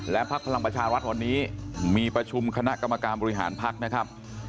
พักพลังประชารัฐวันนี้มีประชุมคณะกรรมการบริหารพักนะครับ